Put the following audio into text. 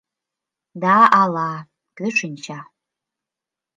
Да ала, кӧ шинча?